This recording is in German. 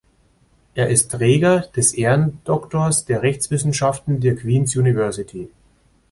Er ist Träger des Ehrendoktors der Rechtswissenschaften der Queens University.